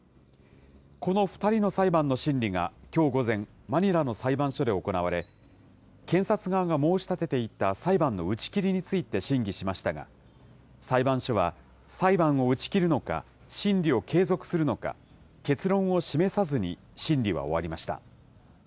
この２人の裁判の審理がきょう午前、マニラの裁判所で行われ、検察側が申し立てていた裁判の打ち切りについて審議しましたが、裁判所は、裁判を打ち切るのか、審理を継続するのか、結論を示せずに審理は終わりました。